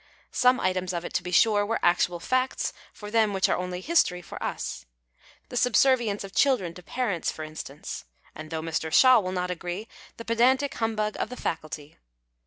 Some items of it, to be sure, were actual facts for them which are only history for us ; the subservience of children to parents, for instance, and (though Mr. Shaw will not agree) the pedantic humbug of the faculty.